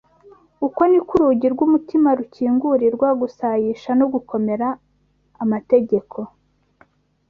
Uko ni ko urugi rw’umutima rukingurirwa gusayisha no kugomera amategeko